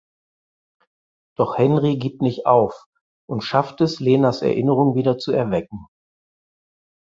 Doch Henri gibt nicht auf und schafft es Lenas Erinnerungen wieder zu erwecken.